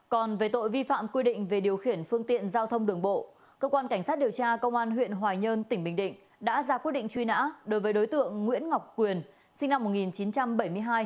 còn về tội vi phạm quy định về điều khiển phương tiện giao thông đường bộ cơ quan cảnh sát điều tra công an huyện hoài nhơn tỉnh bình định đã ra quyết định truy nã đối với đối tượng nguyễn ngọc quyền sinh năm một nghìn chín trăm bảy mươi hai